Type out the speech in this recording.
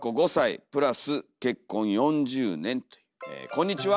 こんにちは！